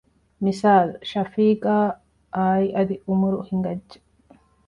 މިސާލު ޝަފީޤާއާއި އަދި ޢުމަރު ހިނގައްޖެ